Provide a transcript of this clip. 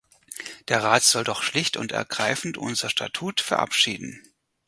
Der Rat soll doch schlicht und ergreifend unser Statut verabschieden.